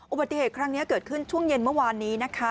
อุบัติเหตุครั้งนี้เกิดขึ้นช่วงเย็นเมื่อวานนี้นะคะ